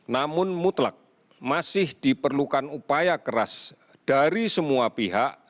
namun mutlak masih diperlukan upaya keras dari semua pihak